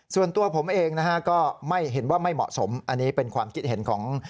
ส่วนตัวผมเองนะฮะก็ไม่เห็นว่าไม่เหมาะสมอันนี้เป็นความคิดเห็นของ